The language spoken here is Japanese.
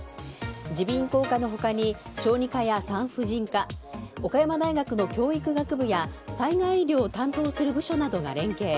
耳鼻咽喉科の他に小児科や産婦人科岡山大学の教育学部や災害医療を担当する部署などが連携。